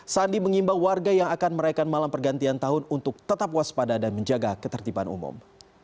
sandi mengimbau warga yang akan meraihkan malam pergantian tahun untuk tetap waspada dan menjaga ketertiban umum